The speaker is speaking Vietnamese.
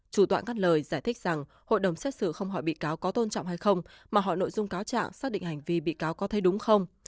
chủ tọa ngắt lời giải thích rằng hội đồng xét xử không hỏi bị cáo có tôn trọng hay không mà hỏi nội dung cáo trạng xác định hành vi bị cáo có thấy đúng không